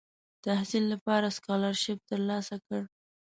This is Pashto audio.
تحصیل لپاره سکالرشیپ تر لاسه کړ.